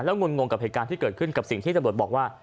งุ่นงงกับเหตุการณ์ที่เกิดขึ้นกับสิ่งที่ตำรวจบอกว่า